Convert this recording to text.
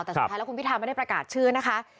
แต่สุดท้ายแล้วคุณพิธาไม่ได้ประกาศชื่อนะคะ